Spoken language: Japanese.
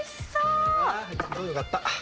よかった。